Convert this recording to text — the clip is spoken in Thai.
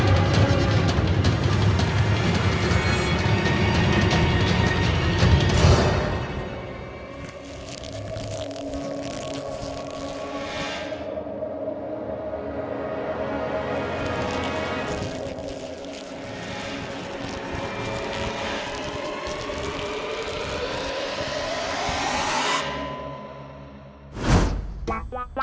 โอเค